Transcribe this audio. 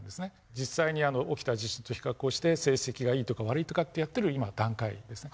実際に起きた地震と比較をして成績がいいとか悪いとかってやっている今段階ですね。